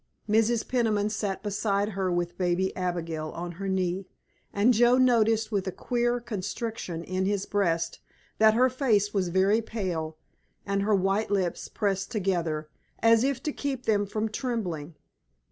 Mrs. Peniman sat beside her with baby Abigail on her knee, and Joe noticed with a queer constriction in his breast that her face was very pale and her white lips pressed together as if to keep them from trembling.